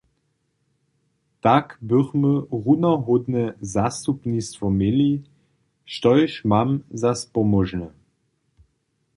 Tak bychmy runohódne zastupnistwo měli, štož mam za spomóžne.